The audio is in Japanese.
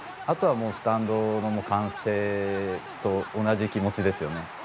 あとはもうスタンドの歓声と同じ気持ちですよね。